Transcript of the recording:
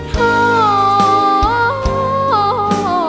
เพราะ